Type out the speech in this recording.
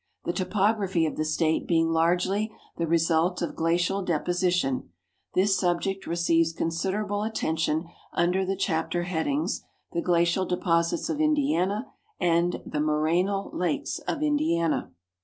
The topography of the State being largely the result of glacial deposition, this subject receives considerable atten tion under the chapter headings "The Glacial Deposits of Indiana " and "The Morainal Lakes of Indiana."